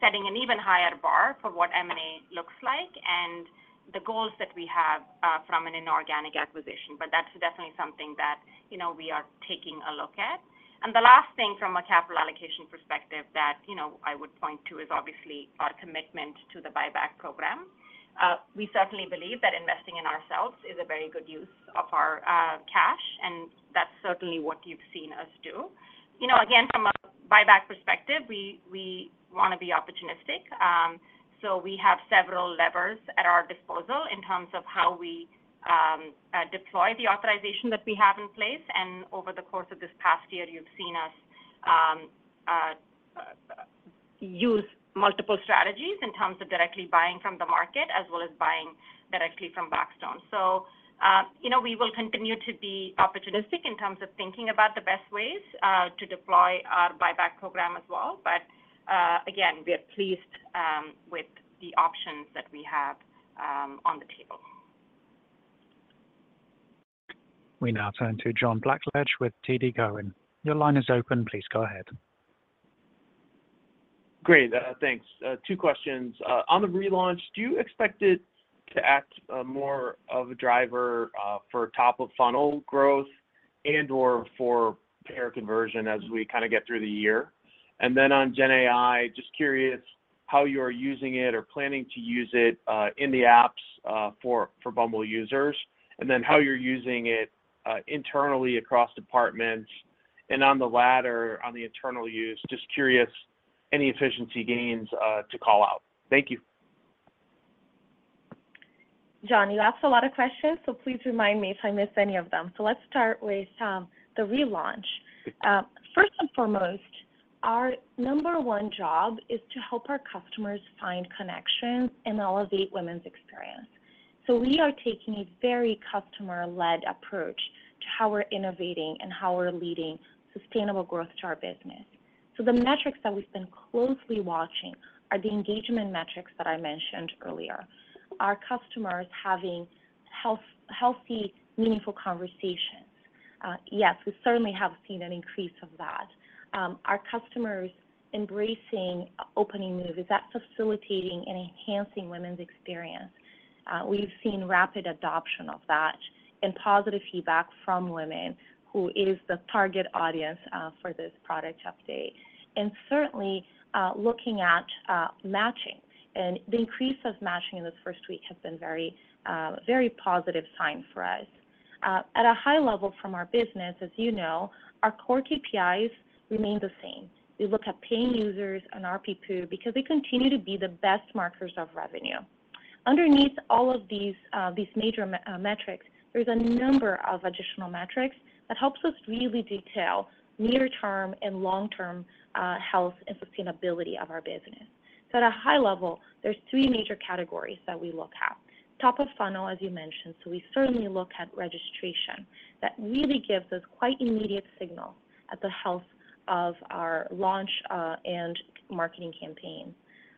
setting an even higher bar for what M&A looks like and the goals that we have from an inorganic acquisition. But that's definitely something that we are taking a look at. And the last thing from a capital allocation perspective that I would point to is obviously our commitment to the buyback program. We certainly believe that investing in ourselves is a very good use of our cash, and that's certainly what you've seen us do. Again, from a buyback perspective, we want to be opportunistic. We have several levers at our disposal in terms of how we deploy the authorization that we have in place. Over the course of this past year, you've seen us use multiple strategies in terms of directly buying from the market as well as buying directly from Blackstone. We will continue to be opportunistic in terms of thinking about the best ways to deploy our buyback program as well. But again, we are pleased with the options that we have on the table. We now turn to John Blackledge with TD Cowen. Your line is open. Please go ahead. Great. Thanks. Two questions. On the relaunch, do you expect it to act more of a driver for top-of-funnel growth and/or for pair conversion as we kind of get through the year? And then on Gen AI, just curious how you are using it or planning to use it in the apps for Bumble users, and then how you're using it internally across departments. And on the latter, on the internal use, just curious any efficiency gains to call out. Thank you. John, you asked a lot of questions, so please remind me if I miss any of them. So let's start with the relaunch. First and foremost, our number one job is to help our customers find connections and elevate women's experience. We are taking a very customer-led approach to how we're innovating and how we're leading sustainable growth to our business. The metrics that we've been closely watching are the engagement metrics that I mentioned earlier. Our customers having healthy, meaningful conversations. Yes, we certainly have seen an increase of that. Our customers embracing Opening Moves, is that facilitating and enhancing women's experience? We've seen rapid adoption of that and positive feedback from women, who is the target audience for this product update. Certainly, looking at matching. The increase of matching in this first week has been a very positive sign for us. At a high level from our business, as you know, our core KPIs remain the same. We look at paying users and ARPPU because they continue to be the best markers of revenue. Underneath all of these major metrics, there's a number of additional metrics that helps us really detail near-term and long-term health and sustainability of our business. So at a high level, there's 3 major categories that we look at. Top of funnel, as you mentioned. So we certainly look at registration. That really gives us quite immediate signals at the health of our launch and marketing campaigns.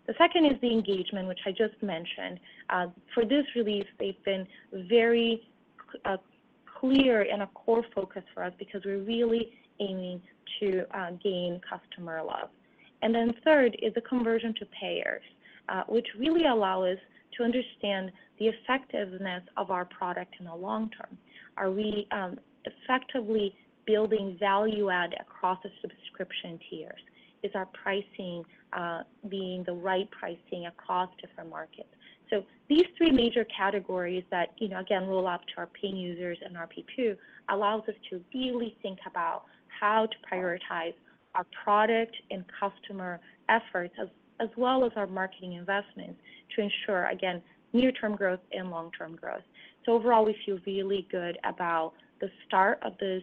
The second is the engagement, which I just mentioned. For this release, they've been very clear and a core focus for us because we're really aiming to gain customer love. And then third is the conversion to payers, which really allows us to understand the effectiveness of our product in the long term. Are we effectively building value add across the subscription tiers? Is our pricing being the right pricing across different markets? So these three major categories that, again, roll up to our paying users and ARPPU allows us to really think about how to prioritize our product and customer efforts as well as our marketing investments to ensure, again, near-term growth and long-term growth. So overall, we feel really good about the start of this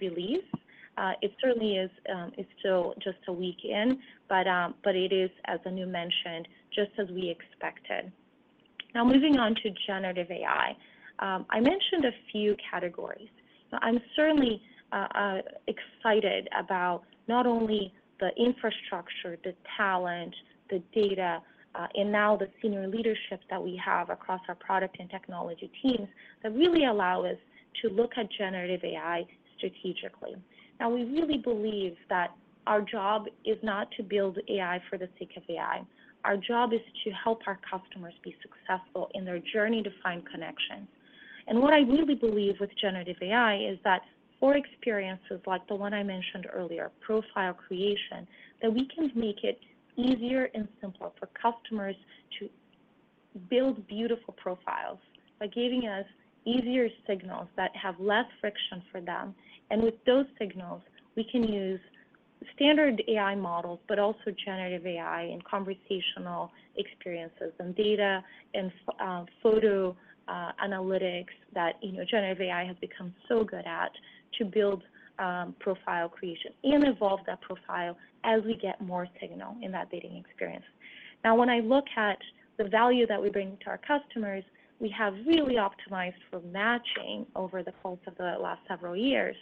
release. It certainly is still just a week in, but it is, as Anu mentioned, just as we expected. Now, moving on to generative AI. I mentioned a few categories. I'm certainly excited about not only the infrastructure, the talent, the data, and now the senior leadership that we have across our product and technology teams that really allow us to look at generative AI strategically. Now, we really believe that our job is not to build AI for the sake of AI. Our job is to help our customers be successful in their journey to find connection. And what I really believe with generative AI is that for experiences like the one I mentioned earlier, profile creation, that we can make it easier and simpler for customers to build beautiful profiles by giving us easier signals that have less friction for them. And with those signals, we can use standard AI models but also generative AI and conversational experiences and data and photo analytics that generative AI has become so good at to build profile creation and evolve that profile as we get more signal in that dating experience. Now, when I look at the value that we bring to our customers, we have really optimized for matching over the course of the last several years.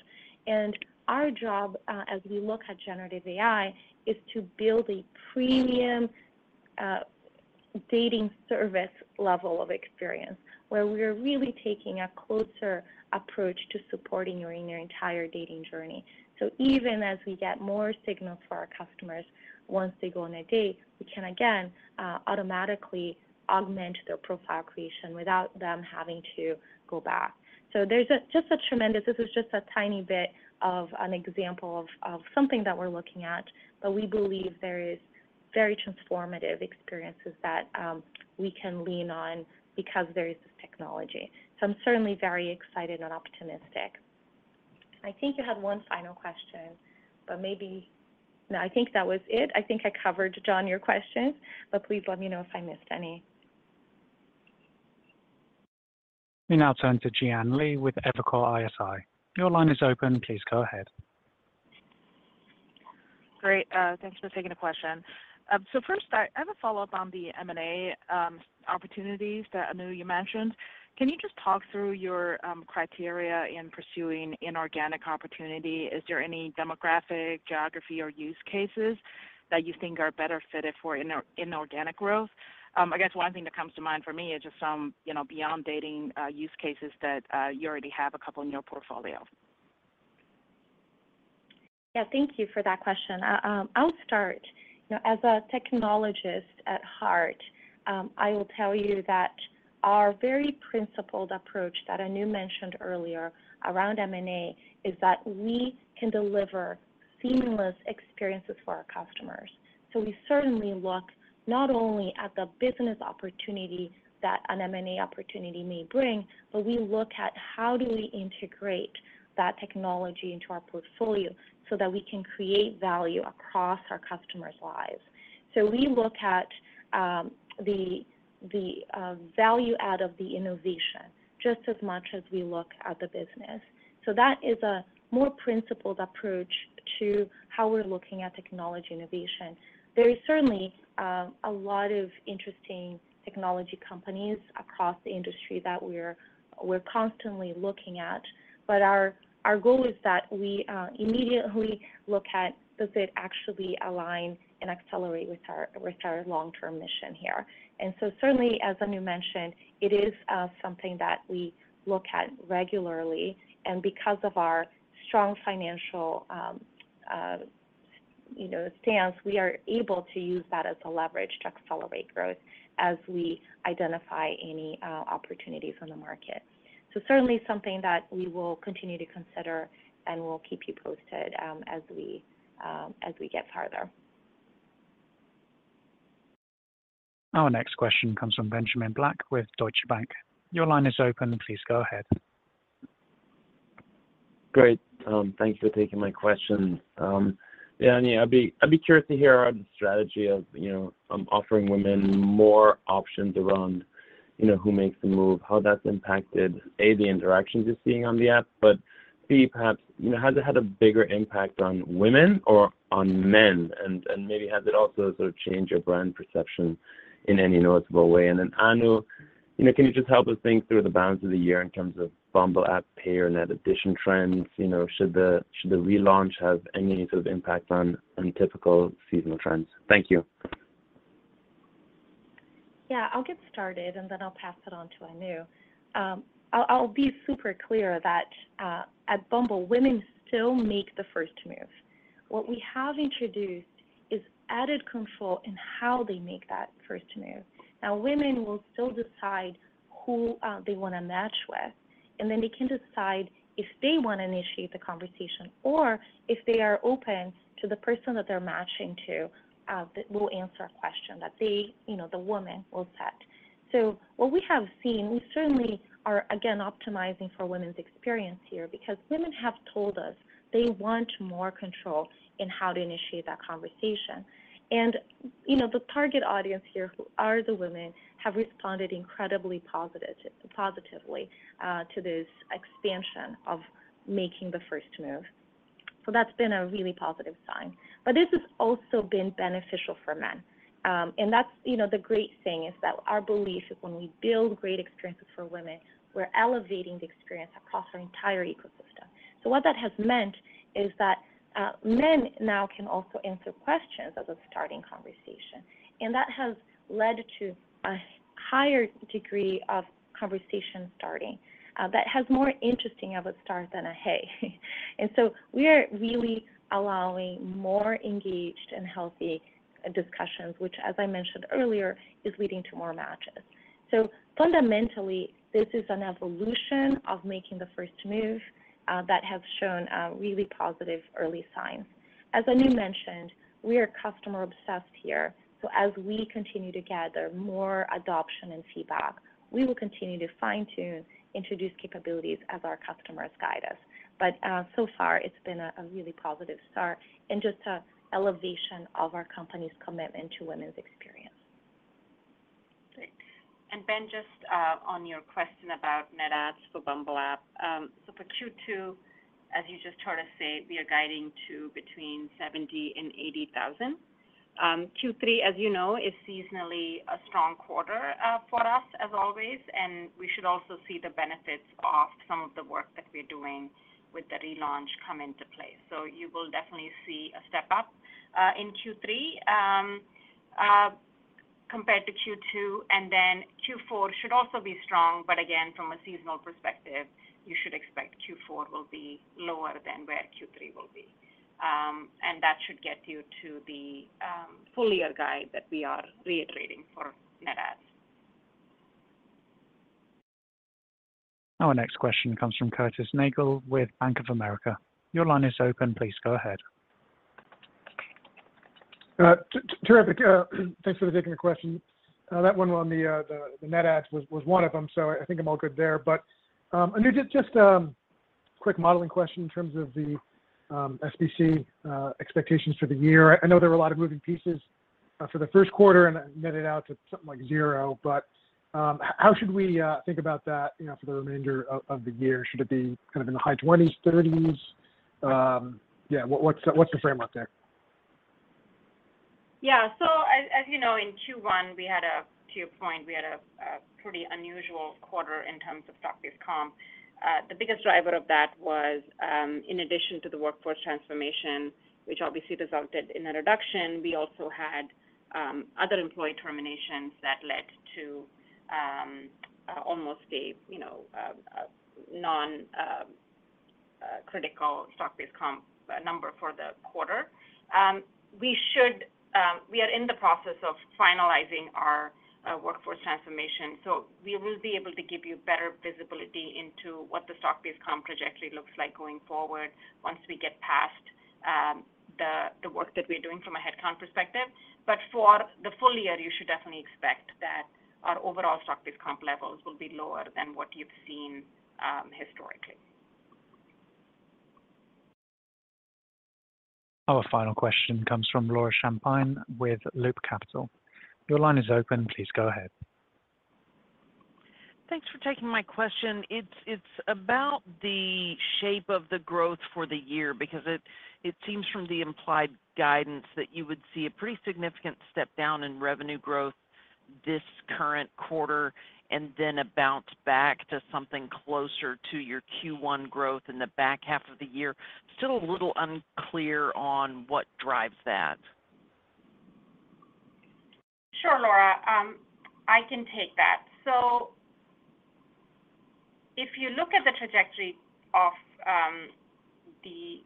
Our job, as we look at generative AI, is to build a premium dating service level of experience where we are really taking a closer approach to supporting you in your entire dating journey. So even as we get more signals for our customers once they go on a date, we can, again, automatically augment their profile creation without them having to go back. So there's just a tremendous this was just a tiny bit of an example of something that we're looking at, but we believe there are very transformative experiences that we can lean on because there is this technology. So I'm certainly very excited and optimistic. I think you had one final question, but maybe no, I think that was it. I think I covered, John, your questions, but please let me know if I missed any. We now turn to Jian Li with Evercore ISI. Your line is open. Please go ahead. Great. Thanks for taking the question. So first, I have a follow-up on the M&A opportunities that Anu, you mentioned. Can you just talk through your criteria in pursuing inorganic opportunity? Is there any demographic, geography, or use cases that you think are better fitted for inorganic growth? I guess one thing that comes to mind for me is just some beyond dating use cases that you already have a couple in your portfolio. Yeah. Thank you for that question. I'll start. As a technologist at heart, I will tell you that our very principled approach that Anu mentioned earlier around M&A is that we can deliver seamless experiences for our customers. So we certainly look not only at the business opportunity that an M&A opportunity may bring, but we look at how do we integrate that technology into our portfolio so that we can create value across our customers' lives. So we look at the value add of the innovation just as much as we look at the business. So that is a more principled approach to how we're looking at technology innovation. There are certainly a lot of interesting technology companies across the industry that we're constantly looking at, but our goal is that we immediately look at does it actually align and accelerate with our long-term mission here. So certainly, as Anu mentioned, it is something that we look at regularly. Because of our strong financial stance, we are able to use that as a leverage to accelerate growth as we identify any opportunities in the market. Certainly something that we will continue to consider and we'll keep you posted as we get farther. Our next question comes from Benjamin Black with Deutsche Bank. Your line is open. Please go ahead. Great. Thanks for taking my question. Yeah, Anu, I'd be curious to hear on the strategy of offering women more options around who makes the move, how that's impacted, A, the interactions you're seeing on the app, but B, perhaps, has it had a bigger impact on women or on men? And maybe has it also sort of changed your brand perception in any noticeable way? And then Anu, can you just help us think through the balance of the year in terms of Bumble App payer net addition trends? Should the relaunch have any sort of impact on typical seasonal trends? Thank you. Yeah. I'll get started, and then I'll pass it on to Anu. I'll be super clear that at Bumble, women still make the first move. What we have introduced is added control in how they make that first move. Now, women will still decide who they want to match with, and then they can decide if they want to initiate the conversation or if they are open to the person that they're matching to that will answer a question that the woman will set. So what we have seen, we certainly are, again, optimizing for women's experience here because women have told us they want more control in how to initiate that conversation. And the target audience here, who are the women, have responded incredibly positively to this expansion of making the first move. So that's been a really positive sign. But this has also been beneficial for men. The great thing is that our belief is when we build great experiences for women, we're elevating the experience across our entire ecosystem. What that has meant is that men now can also answer questions as a starting conversation. That has led to a higher degree of conversation starting. That has more interesting of a start than a hey. We are really allowing more engaged and healthy discussions, which, as I mentioned earlier, is leading to more matches. Fundamentally, this is an evolution of making the first move that has shown really positive early signs. As Anu mentioned, we are customer-obsessed here. As we continue to gather more adoption and feedback, we will continue to fine-tune, introduce capabilities as our customers guide us. But so far, it's been a really positive start and just an elevation of our company's commitment to women's experience. Great. And Ben, just on your question about net adds for Bumble App. So for Q2, as you just heard us say, we are guiding to between 70,000 and 80,000. Q3, as you know, is seasonally a strong quarter for us, as always, and we should also see the benefits of some of the work that we're doing with the relaunch come into play. So you will definitely see a step up in Q3 compared to Q2. And then Q4 should also be strong, but again, from a seasonal perspective, you should expect Q4 will be lower than where Q3 will be. And that should get you to the full year guide that we are reiterating for net adds. Our next question comes from Curtis Nagle with Bank of America. Your line is open. Please go ahead. Terrific. Thanks for taking the question. That one on the net adds was one of them, so I think I'm all good there. But Anu, just a quick modeling question in terms of the SBC expectations for the year. I know there were a lot of moving pieces. For the first quarter, and I netted out to something like zero, but how should we think about that for the remainder of the year? Should it be kind of in the high 20s, 30s? Yeah, what's the framework there? Yeah. So as you know, in Q1, to your point, we had a pretty unusual quarter in terms of stock-based comp. The biggest driver of that was, in addition to the workforce transformation, which obviously resulted in a reduction, we also had other employee terminations that led to almost a non-critical stock-based comp number for the quarter. We are in the process of finalizing our workforce transformation, so we will be able to give you better visibility into what the stock-based comp trajectory looks like going forward once we get past the work that we're doing from a headcount perspective. But for the full year, you should definitely expect that our overall stock-based comp levels will be lower than what you've seen historically. Our final question comes from Laura Champine with Loop Capital. Your line is open. Please go ahead. Thanks for taking my question. It's about the shape of the growth for the year because it seems from the implied guidance that you would see a pretty significant step down in revenue growth this current quarter and then a bounce back to something closer to your Q1 growth in the back half of the year. Still a little unclear on what drives that. Sure, Laura. I can take that. So if you look at the trajectory of the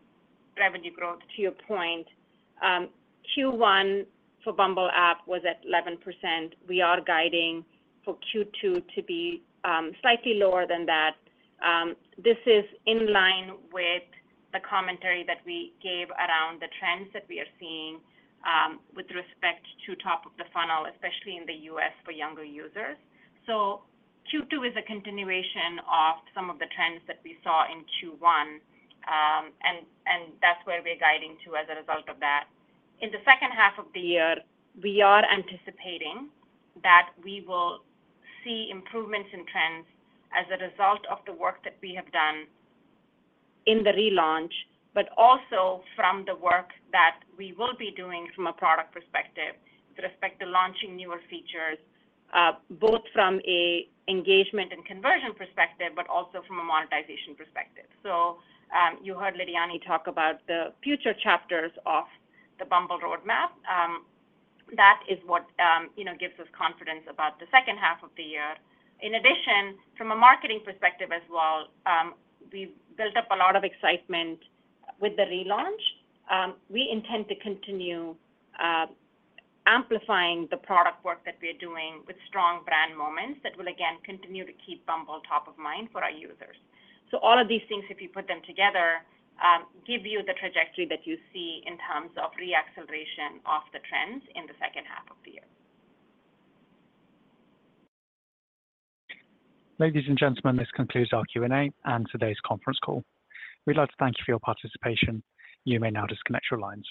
revenue growth, to your point, Q1 for Bumble App was at 11%. We are guiding for Q2 to be slightly lower than that. This is in line with the commentary that we gave around the trends that we are seeing with respect to top of the funnel, especially in the U.S. for younger users. So Q2 is a continuation of some of the trends that we saw in Q1, and that's where we're guiding to as a result of that. In the second half of the year, we are anticipating that we will see improvements in trends as a result of the work that we have done in the relaunch, but also from the work that we will be doing from a product perspective with respect to launching newer features, both from an engagement and conversion perspective but also from a monetization perspective. So you heard Lidiane talk about the future chapters of the Bumble roadmap. That is what gives us confidence about the second half of the year. In addition, from a marketing perspective as well, we've built up a lot of excitement with the relaunch. We intend to continue amplifying the product work that we're doing with strong brand moments that will, again, continue to keep Bumble top of mind for our users. So all of these things, if you put them together, give you the trajectory that you see in terms of reacceleration of the trends in the second half of the year. Ladies and gentlemen, this concludes our Q&A and today's conference call. We'd love to thank you for your participation. You may now disconnect your lines.